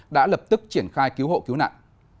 đã lập tức triển khai cứu hộ cứu nạn